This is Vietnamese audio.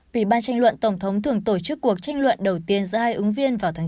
ủy ban tranh luận tổng thống thường tổ chức cuộc tranh luận đầu tiên giữa hai ứng viên vào tháng chín